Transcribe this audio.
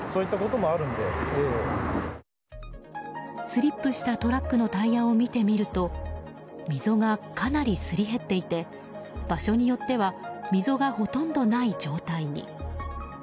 スリップしたトラックのタイヤを見てみると溝がかなりすり減っていて場所によっては溝がほとんどない状態に。